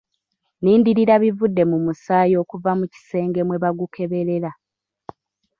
Nnindirira bivudde mu musaayi okuva mu kisenge mwe bagukeberera.